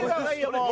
もう。